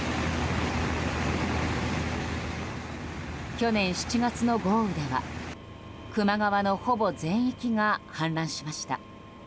去年７月の豪雨では、球磨川のほぼ全域が氾濫しました。